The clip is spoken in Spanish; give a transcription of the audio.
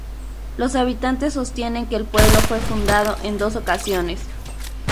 Los habitantes sostienen que el pueblo fue fundado en dos ocasiones.